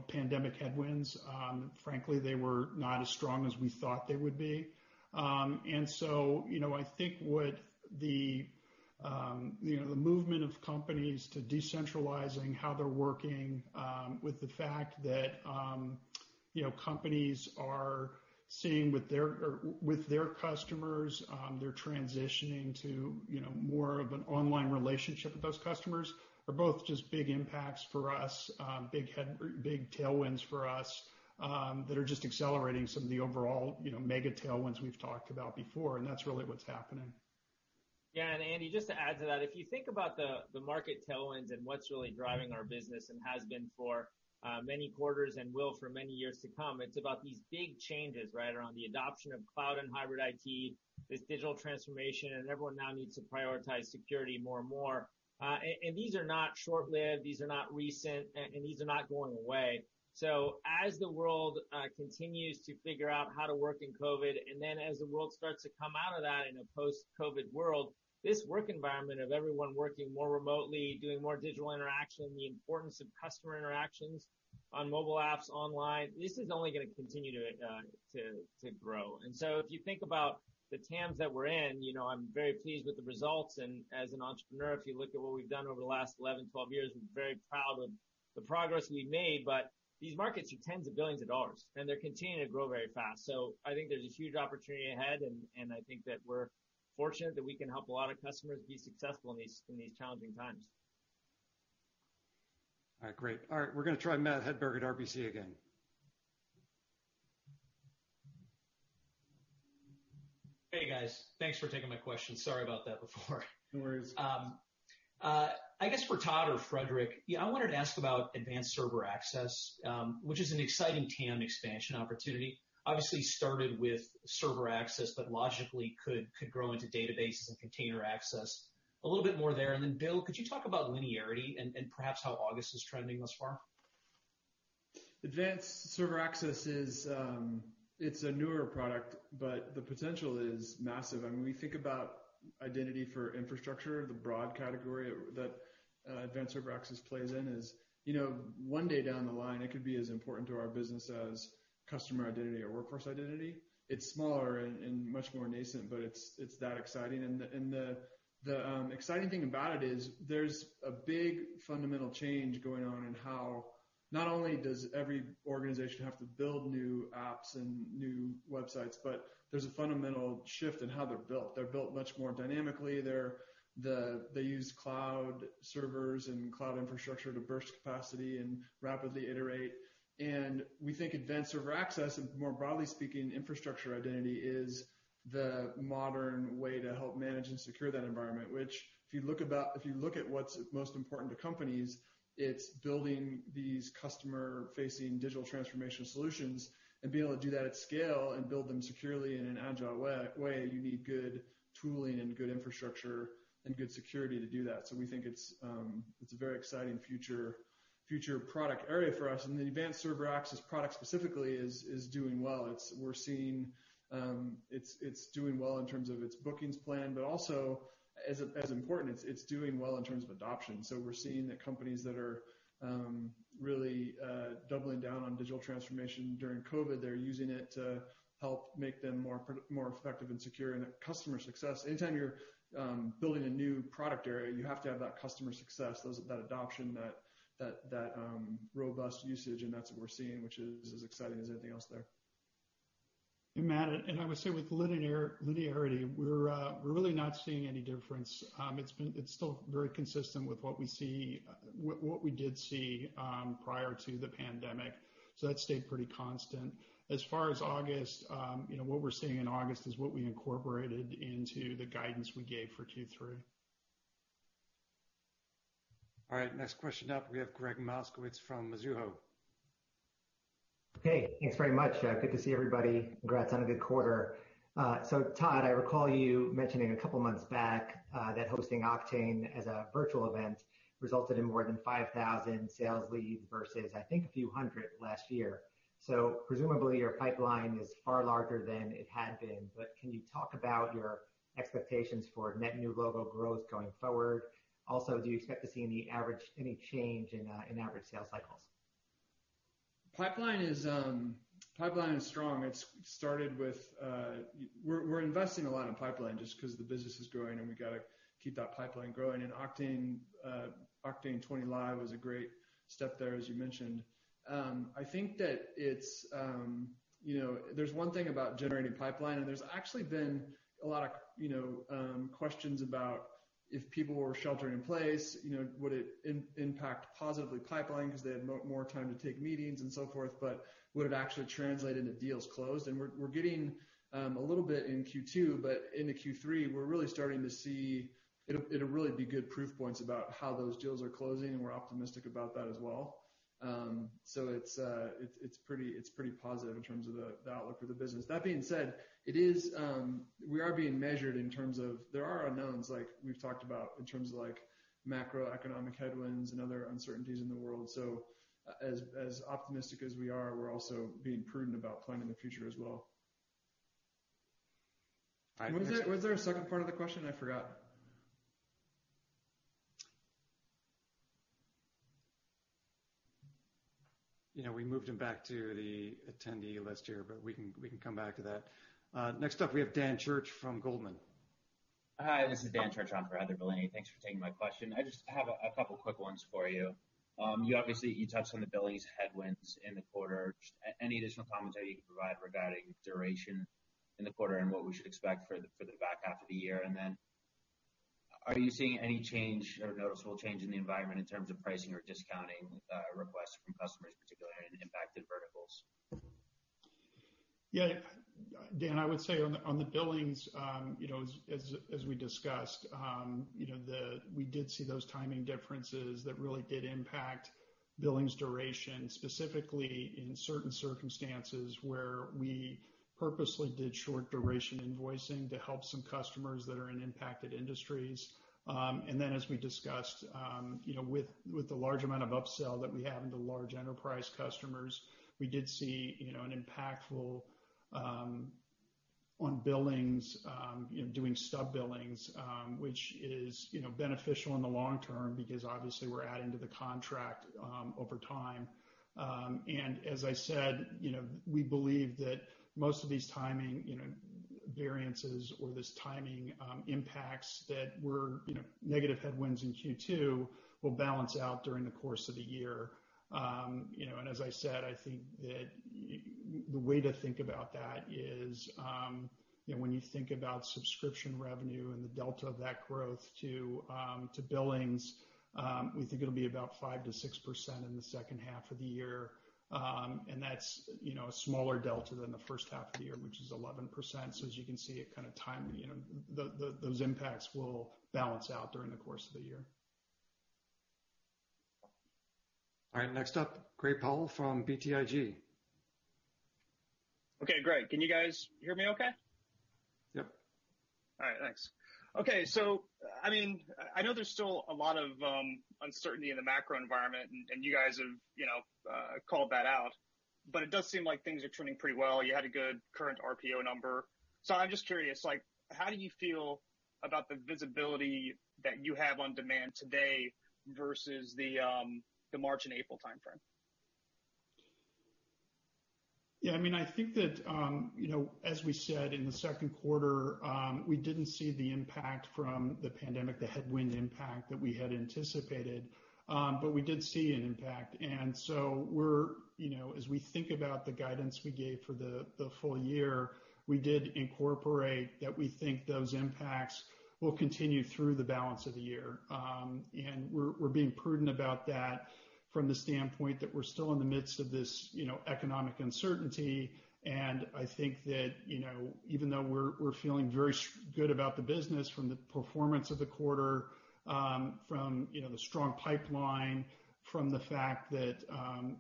pandemic headwinds. Frankly, they were not as strong as we thought they would be. I think what the movement of companies to decentralizing how they're working, with the fact that companies are seeing with their customers, they're transitioning to more of an online relationship with those customers, are both just big impacts for us, big tailwinds for us, that are just accelerating some of the overall mega tailwinds we've talked about before, and that's really what's happening. Yeah. Andy, just to add to that, if you think about the market tailwinds and what's really driving our business and has been for many quarters and will for many years to come, it's about these big changes, right, around the adoption of cloud and hybrid IT, this digital transformation, and everyone now needs to prioritize security more and more. These are not short-lived, these are not recent, and these are not going away. As the world continues to figure out how to work in COVID-19, as the world starts to come out of that in a post-COVID-19 world, this work environment of everyone working more remotely, doing more digital interaction, the importance of customer interactions on mobile apps, online, this is only going to continue to grow. If you think about the TAMs that we're in, I'm very pleased with the results. As an entrepreneur, if you look at what we've done over the last 11, 12 years, we're very proud of the progress we've made, but these markets are tens of billions of dollars, and they're continuing to grow very fast. I think there's a huge opportunity ahead, and I think that we're fortunate that we can help a lot of customers be successful in these challenging times. All right, great. All right, we're going to try Matt Hedberg at RBC again. Hey, guys. Thanks for taking my question. Sorry about that before. No worries. I guess for Todd or Frederic, I wanted to ask about Advanced Server Access, which is an exciting TAM expansion opportunity. Obviously, started with server access, but logically could grow into databases and container access. A little bit more there. Bill, could you talk about linearity and perhaps how August is trending thus far? Advanced Server Access is a newer product, but the potential is massive. When we think about identity for infrastructure, the broad category that Advanced Server Access plays in is, one day down the line, it could be as important to our business as customer identity or workforce identity. It's smaller and much more nascent, but it's that exciting. The exciting thing about it is there's a big fundamental change going on in how not only does every organization have to build new apps and new websites, but there's a fundamental shift in how they're built. They're built much more dynamically. They use cloud servers and cloud infrastructure to burst capacity and rapidly iterate. We think Advanced Server Access, and more broadly speaking, infrastructure identity is The modern way to help manage and secure that environment, which if you look at what's most important to companies, it's building these customer-facing digital transformation solutions and being able to do that at scale and build them securely in an agile way. You need good tooling and good infrastructure and good security to do that. We think it's a very exciting future product area for us. The Advanced Server Access product specifically is doing well. We're seeing it's doing well in terms of its bookings plan, but also as important, it's doing well in terms of adoption. We're seeing that companies that are really doubling down on digital transformation during COVID, they're using it to help make them more effective and secure. Customer success, anytime you're building a new product area, you have to have that customer success, that adoption, that robust usage, and that's what we're seeing, which is as exciting as anything else there. Matt, and I would say with linearity, we're really not seeing any difference. It's still very consistent with what we did see prior to the pandemic. That stayed pretty constant. As far as August, what we're seeing in August is what we incorporated into the guidance we gave for Q3. All right, next question up, we have Gregg Moskowitz from Mizuho. Hey, thanks very much. Good to see everybody. Congrats on a good quarter. Todd, I recall you mentioning a couple of months back that hosting Oktane as a virtual event resulted in more than 5,000 sales leads versus, I think, a few hundred last year. Presumably, your pipeline is far larger than it had been, but can you talk about your expectations for net new logo growth going forward? Do you expect to see any change in average sales cycles? Pipeline is strong. We're investing a lot in pipeline just because the business is growing, we got to keep that pipeline growing. Oktane20 Live was a great step there, as you mentioned. I think that there's one thing about generating pipeline, there's actually been a lot of questions about if people were sheltering in place, would it impact positively pipeline because they had more time to take meetings and so forth, would it actually translate into deals closed? We're getting a little bit in Q2, into Q3, we're really starting to see it'll really be good proof points about how those deals are closing, we're optimistic about that as well. It's pretty positive in terms of the outlook for the business. That being said, we are being measured in terms of there are unknowns, like we've talked about, in terms of macroeconomic headwinds and other uncertainties in the world. As optimistic as we are, we're also being prudent about planning the future as well. Was there a second part of the question? I forgot. We moved him back to the attendee list here, but we can come back to that. Next up, we have Dan Church from Goldman. Hi, this is Dan Church for Heather Bellini. Thanks for taking my question. I just have a couple of quick ones for you. You obviously touched on the billings headwinds in the quarter. Just any additional commentary you can provide regarding duration in the quarter and what we should expect for the back half of the year? Are you seeing any change or noticeable change in the environment in terms of pricing or discounting requests from customers, particularly in impacted verticals? Dan, I would say on the billings, as we discussed, we did see those timing differences that really did impact billings duration, specifically in certain circumstances where we purposely did short duration invoicing to help some customers that are in impacted industries. As we discussed, with the large amount of upsell that we have into large enterprise customers, we did see an impactful on billings, doing stub billings, which is beneficial in the long term because obviously we're adding to the contract over time. As I said, we believe that most of these timing variances or this timing impacts that were negative headwinds in Q2 will balance out during the course of the year. As I said, I think that the way to think about that is when you think about subscription revenue and the delta of that growth to billings, we think it'll be about 5%-6% in the second half of the year. That's a smaller delta than the first half of the year, which is 11%. As you can see, those impacts will balance out during the course of the year. All right. Next up, Gray Powell from BTIG. Okay, great. Can you guys hear me okay? Yep. All right, thanks. Okay, I know there's still a lot of uncertainty in the macro environment, and you guys have called that out, but it does seem like things are trending pretty well. You had a good Current RPO number. I'm just curious, how do you feel about the visibility that you have on demand today versus the March and April timeframe? Yeah, I think that, as we said in the second quarter, we didn't see the impact from the pandemic, the headwind impact that we had anticipated. We did see an impact. As we think about the guidance we gave for the full year, we did incorporate that we think those impacts will continue through the balance of the year. We're being prudent about that from the standpoint that we're still in the midst of this economic uncertainty. I think that even though we're feeling very good about the business from the performance of the quarter, from the strong pipeline, from the fact that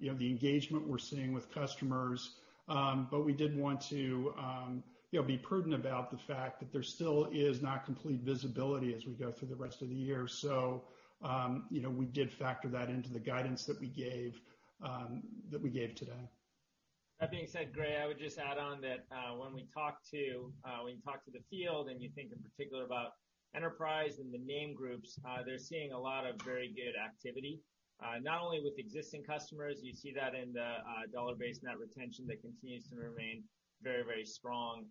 the engagement we're seeing with customers, but we did want to be prudent about the fact that there still is not complete visibility as we go through the rest of the year. We did factor that into the guidance that we gave today. That being said, Gray, I would just add on that when we talk to the field, you think in particular about enterprise and the name groups, they're seeing a lot of very good activity. Not only with existing customers, you see that in the dollar-based net retention that continues to remain very strong.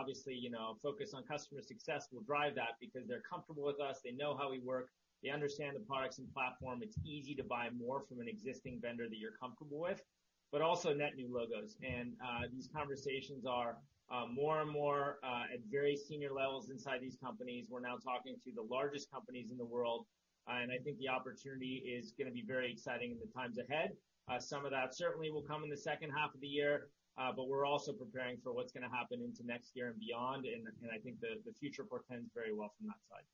Obviously, focus on customer success will drive that because they're comfortable with us. They know how we work. They understand the products and platform. It's easy to buy more from an existing vendor that you're comfortable with. Also net new logos. These conversations are more and more at very senior levels inside these companies. We're now talking to the largest companies in the world, I think the opportunity is going to be very exciting in the times ahead. Some of that certainly will come in the second half of the year. We're also preparing for what's going to happen into next year and beyond, and I think the future portends very well from that side.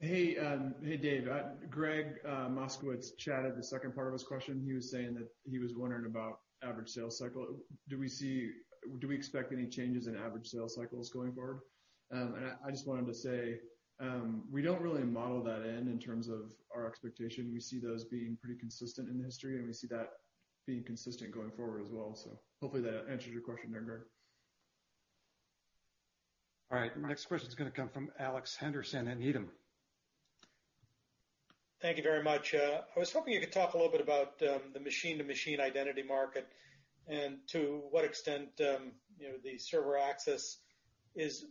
Hey, Dave. Gregg Moskowitz chatted the second part of his question. He was saying that he was wondering about average sales cycle. Do we expect any changes in average sales cycles going forward? I just wanted to say, we don't really model that in terms of our expectation. We see those being pretty consistent in the history, and we see that being consistent going forward as well. Hopefully that answers your question there, Gregg. All right. Our next question is going to come from Alex Henderson at Needham. Thank you very much. I was hoping you could talk a little bit about the machine-to-machine identity market and to what extent the server access is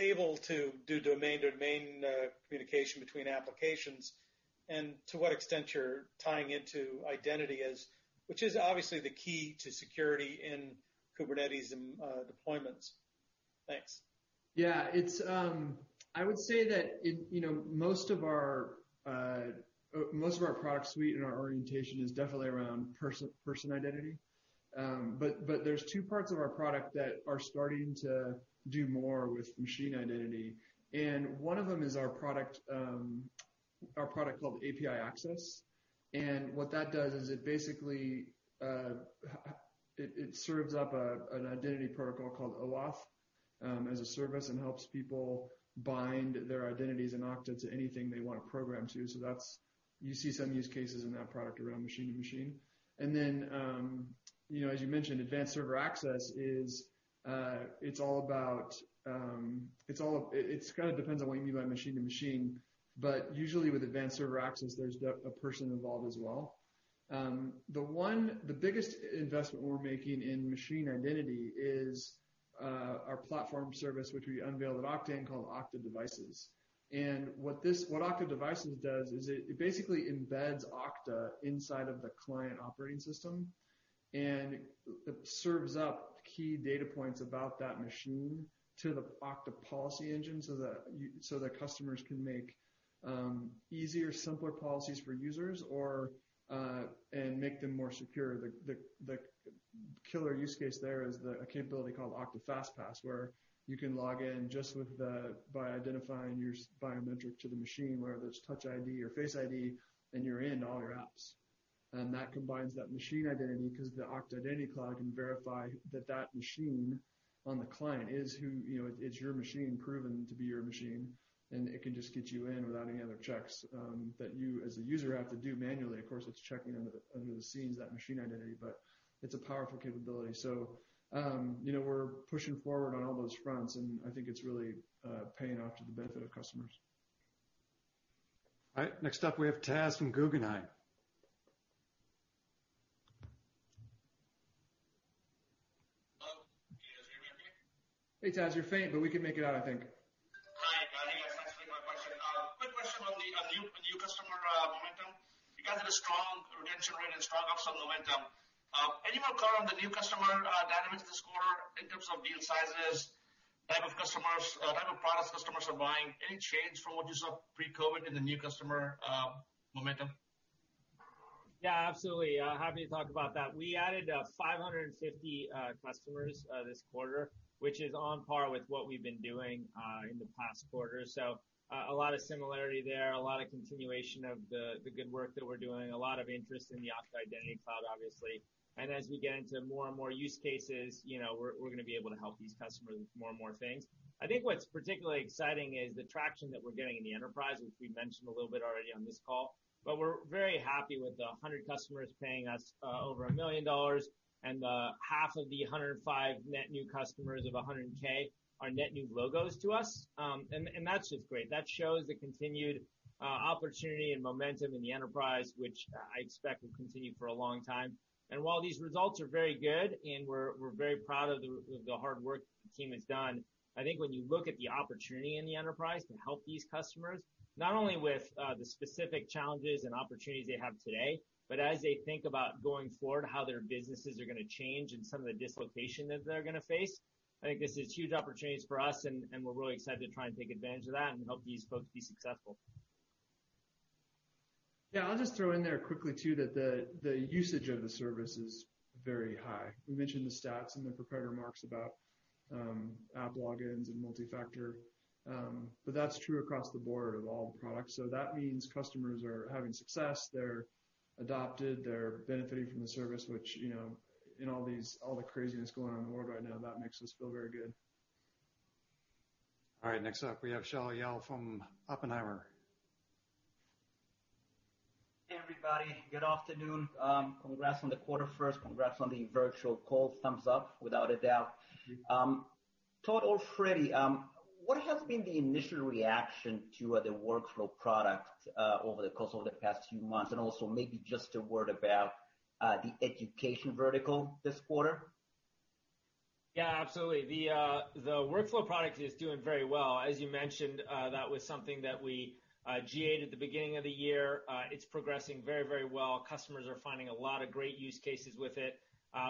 able to do domain-to-domain communication between applications, and to what extent you're tying into identity as which is obviously the key to security in Kubernetes and deployments. Thanks. Yeah. I would say that most of our product suite and our orientation is definitely around person identity. There's two parts of our product that are starting to do more with machine identity, and one of them is our product called API Access. What that does is it basically serves up an identity protocol called OAuth as a service and helps people bind their identities in Okta to anything they want to program to. You see some use cases in that product around machine to machine. As you mentioned, Advanced Server Access, it kind of depends on what you mean by machine to machine. Usually, with Advanced Server Access, there's a person involved as well. The biggest investment we're making in machine identity is our platform service, which we unveiled at Oktane, called Okta Devices. What Okta Devices does is it basically embeds Okta inside of the client operating system, and it serves up key data points about that machine to the Okta policy engine so that customers can make easier, simpler policies for users and make them more secure. The killer use case there is the capability called Okta FastPass, where you can log in just by identifying your biometric to the machine, whether it's Touch ID or Face ID, and you're in all your apps. That combines that machine identity because the Okta Identity Cloud can verify that machine on the client. It's your machine proven to be your machine, and it can just get you in without any other checks that you as a user have to do manually. Of course, it's checking under the scenes that machine identity, but it's a powerful capability. We're pushing forward on all those fronts, and I think it's really paying off to the benefit of customers. All right. Next up, we have Taz from Guggenheim. Hello, can you guys hear me okay? Hey, Taz. You're faint, but we can make it out, I think. Hi. Thanks for taking my question. Quick question on the new customer momentum. You guys had a strong retention rate and strong upsell momentum. Any more color on the new customer dynamics this quarter in terms of deal sizes, type of customers, type of products customers are buying? Any change from what you saw pre-COVID in the new customer momentum? Absolutely. Happy to talk about that. We added 550 customers this quarter, which is on par with what we've been doing in the past quarter. A lot of similarity there, a lot of continuation of the good work that we're doing, a lot of interest in the Okta Identity Cloud, obviously. As we get into more and more use cases, we're going to be able to help these customers with more and more things. I think what's particularly exciting is the traction that we're getting in the enterprise, which we mentioned a little bit already on this call. We're very happy with the 100 customers paying us over $1 million and the half of the 105 net new customers of $100K are net new logos to us. That's just great. That shows the continued opportunity and momentum in the enterprise, which I expect will continue for a long time. While these results are very good and we're very proud of the hard work the team has done, I think when you look at the opportunity in the enterprise to help these customers, not only with the specific challenges and opportunities they have today, but as they think about going forward, how their businesses are going to change and some of the dislocation that they're going to face, I think this is a huge opportunity for us, and we're really excited to try and take advantage of that and help these folks be successful. Yeah. I'll just throw in there quickly too, that the usage of the service is very high. We mentioned the stats in the prepared remarks about app logins and multi-factor. That's true across the board of all the products. That means customers are having success, they're adopted, they're benefiting from the service, which in all the craziness going on in the world right now, that makes us feel very good. All right. Next up, we have Shaul Eyal from Oppenheimer. Hey, everybody. Good afternoon. Congrats on the quarter first. Congrats on the virtual call. Thumbs up without a doubt. Todd or Frederic, what has been the initial reaction to the workflow product over the course of the past few months, and also maybe just a word about the education vertical this quarter? Absolutely. The Workflows product is doing very well. As you mentioned, that was something that we GA'd at the beginning of the year. It's progressing very well. Customers are finding a lot of great use cases with it.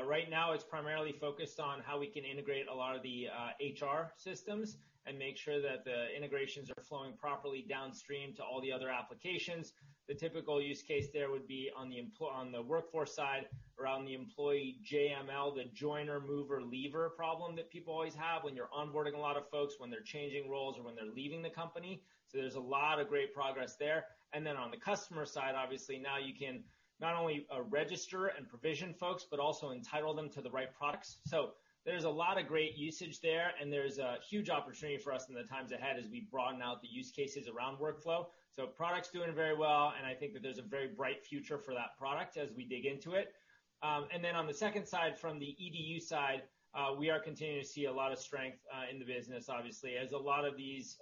Right now, it's primarily focused on how we can integrate a lot of the HR systems and make sure that the integrations are flowing properly downstream to all the other applications. The typical use case there would be on the workforce side around the employee JML, the joiner, mover, leaver problem that people always have when you're onboarding a lot of folks, when they're changing roles or when they're leaving the company. There's a lot of great progress there. On the customer side, obviously, now you can not only register and provision folks but also entitle them to the right products. There's a lot of great usage there, and there's a huge opportunity for us in the times ahead as we broaden out the use cases around Workflow. Product's doing very well, and I think that there's a very bright future for that product as we dig into it. On the second side, from the EDU side, we are continuing to see a lot of strength in the business, obviously, as a lot of these,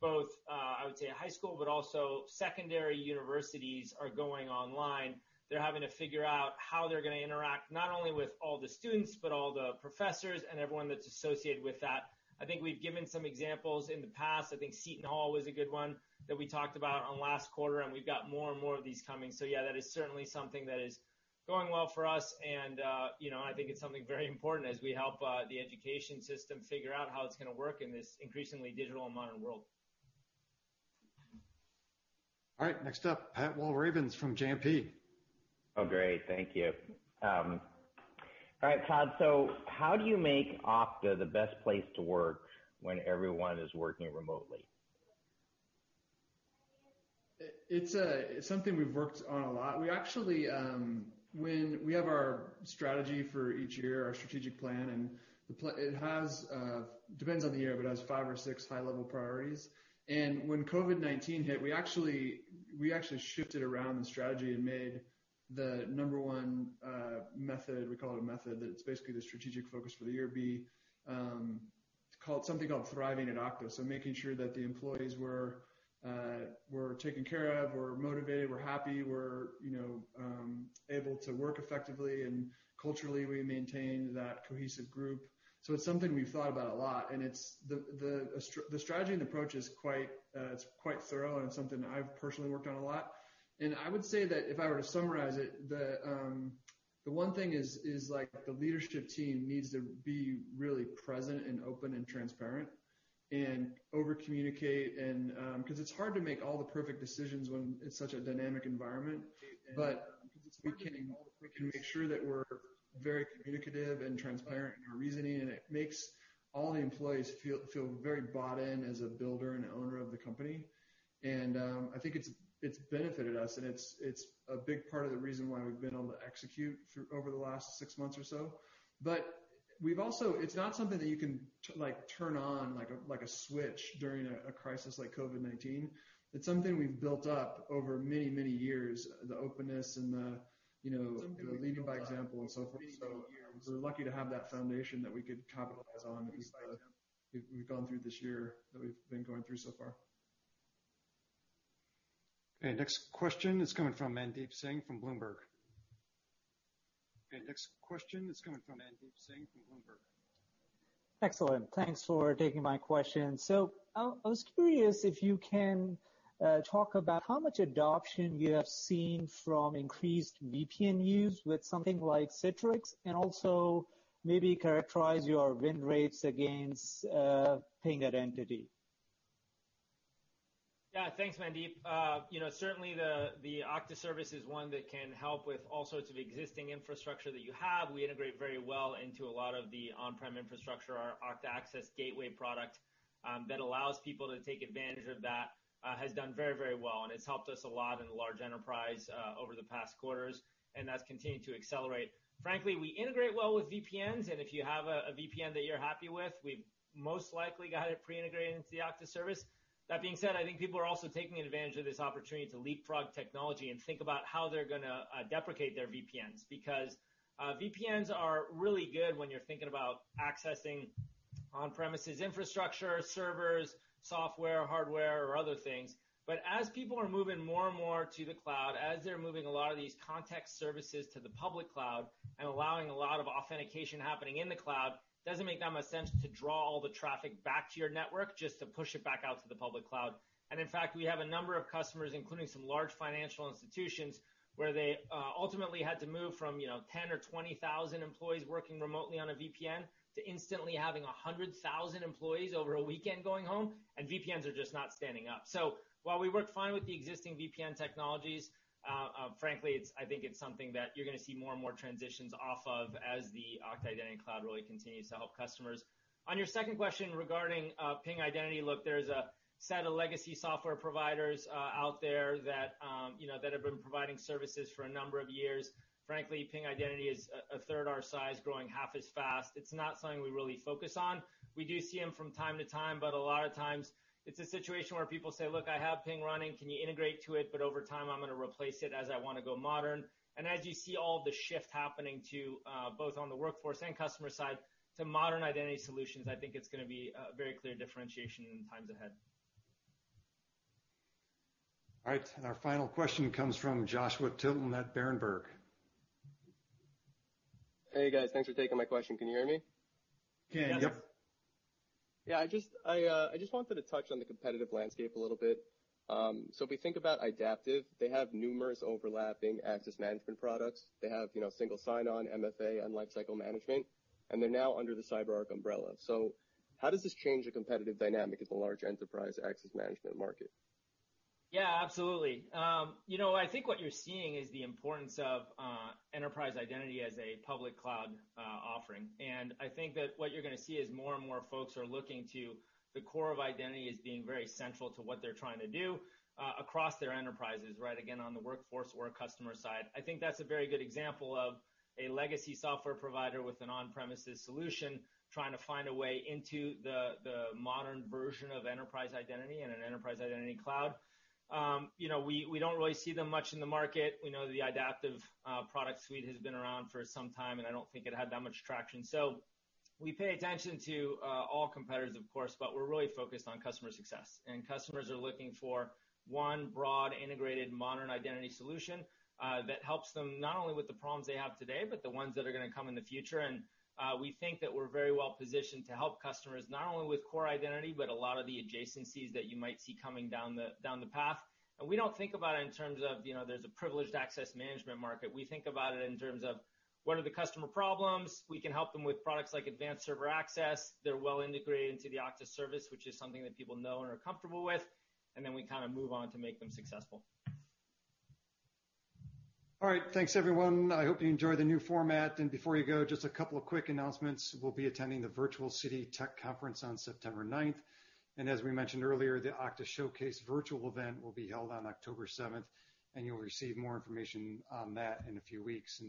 both, I would say high school, but also secondary universities are going online. They're having to figure out how they're going to interact not only with all the students but all the professors and everyone that's associated with that. I think we've given some examples in the past. I think Seton Hall was a good one that we talked about on last quarter, and we've got more and more of these coming. Yeah, that is certainly something that is going well for us and I think it's something very important as we help the education system figure out how it's going to work in this increasingly digital and modern world. All right, next up, Pat Walravens from JMP. Oh, great. Thank you. All right, Todd, how do you make Okta the best place to work when everyone is working remotely? It's something we've worked on a lot. We have our strategy for each year, our strategic plan, it depends on the year, but has five or six high-level priorities. When COVID-19 hit, we actually shifted around the strategy and made the number one method, we call it a method, that it's basically the strategic focus for the year, something called Thriving at Okta. Making sure that the employees were taken care of, were motivated, were happy, were able to work effectively, and culturally, we maintain that cohesive group. It's something we've thought about a lot, the strategy and approach is quite thorough and something I've personally worked on a lot. I would say that if I were to summarize it, the one thing is the leadership team needs to be really present and open and transparent and over-communicate, because it's hard to make all the perfect decisions when it's such a dynamic environment. We can make sure that we're very communicative and transparent in our reasoning, and it makes all the employees feel very bought in as a builder and owner of the company. I think it's benefited us, and it's a big part of the reason why we've been able to execute over the last six months or so. It's not something that you can turn on like a switch during a crisis like COVID-19. It's something we've built up over many, many years, the openness and the leading by example and so forth. We're lucky to have that foundation that we could capitalize on as we've gone through this year, that we've been going through so far. Okay, next question is coming from Mandeep Singh from Bloomberg. Excellent. Thanks for taking my question. I was curious if you can talk about how much adoption you have seen from increased VPN use with something like Citrix, and also maybe characterize your win rates against Ping Identity. Yeah, thanks, Mandeep. Certainly the Okta service is one that can help with all sorts of existing infrastructure that you have. We integrate very well into a lot of the on-prem infrastructure, our Okta Access Gateway product that allows people to take advantage of that, has done very well, and it's helped us a lot in the large enterprise over the past quarters, and that's continued to accelerate. Frankly, we integrate well with VPNs, and if you have a VPN that you're happy with, we've most likely got it pre-integrated into the Okta service. That being said, I think people are also taking advantage of this opportunity to leapfrog technology and think about how they're going to deprecate their VPNs. VPNs are really good when you're thinking about accessing on-premises infrastructure, servers, software, hardware, or other things. As people are moving more and more to the cloud, as they're moving a lot of these context services to the public cloud and allowing a lot of authentication happening in the cloud, doesn't make that much sense to draw all the traffic back to your network just to push it back out to the public cloud. In fact, we have a number of customers, including some large financial institutions, where they ultimately had to move from 10,000 or 20,000 employees working remotely on a VPN to instantly having 100,000 employees over a weekend going home, and VPNs are just not standing up. While we work fine with the existing VPN technologies, frankly, I think it's something that you're going to see more and more transitions off of as the Okta Identity Cloud really continues to help customers. On your second question regarding Ping Identity, look, there's a set of legacy software providers out there that have been providing services for a number of years. Frankly, Ping Identity is a third our size, growing half as fast. It's not something we really focus on. We do see them from time to time, but a lot of times it's a situation where people say, "Look, I have Ping running. Can you integrate to it? But over time, I'm going to replace it as I want to go modern." As you see all the shift happening to, both on the workforce and customer side, to modern identity solutions, I think it's going to be a very clear differentiation in times ahead. All right. Our final question comes from Joshua Tilton at Berenberg. Hey, guys. Thanks for taking my question. Can you hear me? Yep. Yes. Yeah, I just wanted to touch on the competitive landscape a little bit. If we think about Idaptive, they have numerous overlapping access management products. They have single sign-on, MFA, and lifecycle management, and they're now under the CyberArk umbrella. How does this change the competitive dynamic in the large enterprise access management market? Yeah, absolutely. I think what you're seeing is the importance of enterprise identity as a public cloud offering. I think that what you're going to see is more and more folks are looking to the core of identity as being very central to what they're trying to do across their enterprises, right again, on the workforce or customer side. I think that's a very good example of a legacy software provider with an on-premises solution trying to find a way into the modern version of enterprise identity and an enterprise identity cloud. We don't really see them much in the market. We know the Idaptive product suite has been around for some time, and I don't think it had that much traction. We pay attention to all competitors, of course, but we're really focused on customer success. Customers are looking for one broad, integrated, modern identity solution that helps them not only with the problems they have today, but the ones that are going to come in the future. We think that we're very well positioned to help customers, not only with core identity, but a lot of the adjacencies that you might see coming down the path. We don't think about it in terms of there's a privileged access management market. We think about it in terms of what are the customer problems. We can help them with products like Advanced Server Access. They're well integrated into the Okta service, which is something that people know and are comfortable with, and then we move on to make them successful. All right. Thanks, everyone. I hope you enjoy the new format. Before you go, just a couple of quick announcements. We'll be attending the Virtual Citi Tech Conference on September 9th. As we mentioned earlier, the Okta Showcase virtual event will be held on October 7th, and you'll receive more information on that in a few weeks.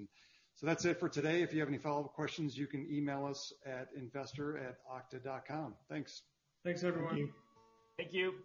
That's it for today. If you have any follow-up questions, you can email us at investor@okta.com. Thanks. Thanks, everyone. Thank you. Thank you.